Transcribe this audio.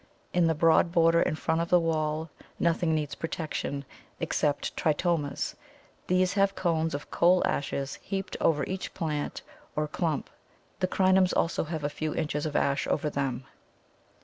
In the broad border in front of the wall nothing needs protection except Tritomas; these have cones of coal ashes heaped over each plant or clump. The Crinums also have a few inches of ashes over them.